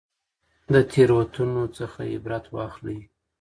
د تېرو تېروتنو څخه عبرت واخلئ.